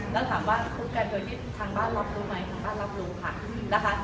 แล้วถามว่าพูดกันโดยที่ทางบ้านรับรู้ไหมทางบ้านรับรู้ค่ะนะคะ